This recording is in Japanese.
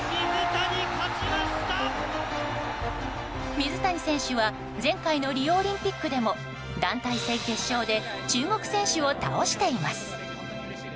水谷選手は前回のリオオリンピックでも団体戦決勝で中国選手を倒しています。